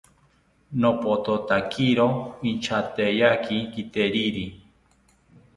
Nopothotakiro inchateyaki kiteriri